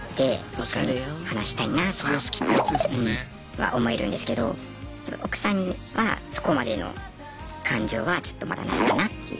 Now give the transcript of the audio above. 一緒に話したいなとか思えるんですけど奥さんにはそこまでの感情はちょっとまだないかなっていう。